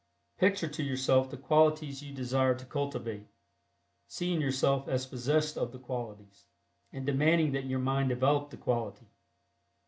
Picture to yourself the qualities you desire to cultivate, seeing yourself as possessed of the qualities, and demanding that your mind develop the quality.